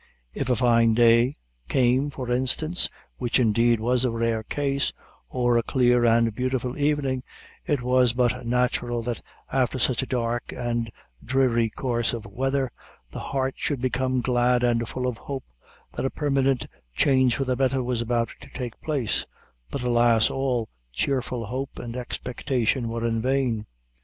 If a fine day came, for instance, which indeed was a rare case, or a clear and beautiful evening, it was but natural that after such a dark and dreary course of weather, the heart should become glad and full of hope, that a permanent change for the better was about to take place; but alas, all cheerful hope and expectation were in vain.